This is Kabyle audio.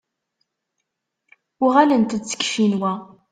Uɣalent-d seg Ccinwa.